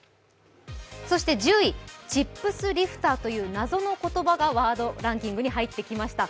１０位、「チップスリフター」という謎の言葉がワードランキングに入ってきました。